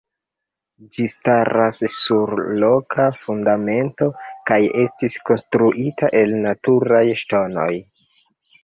Ĝi staras sur roka fundamento kaj estis konstruita el naturaj ŝtonoj.